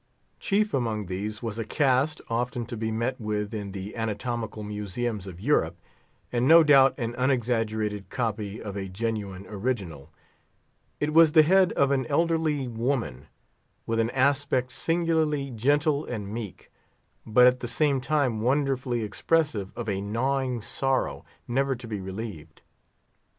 Chief among these was a cast, often to be met with in the Anatomical Museums of Europe, and no doubt an unexaggerated copy of a genuine original; it was the head of an elderly woman, with an aspect singularly gentle and meek, but at the same time wonderfully expressive of a gnawing sorrow, never to be relieved.